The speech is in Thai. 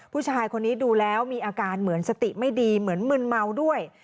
ผู้ชายคนนี้ดูแล้วมีอาการเหมือนสติไม่ดีเหมือนมึนเมาด้วย